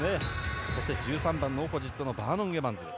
１３番のオポジットのバーノン・エバンズ。